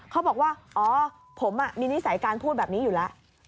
เขาบอกว่าอ๋อผมมีนิสัยการพูดแบบนี้อยู่แล้ว